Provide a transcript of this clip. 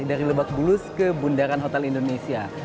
dari lebak bulus ke bundaran hotel indonesia